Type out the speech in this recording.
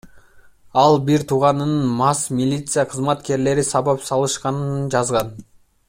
Ал бир тууганын мас милиция кызматкерлери сабап салышканын жазган.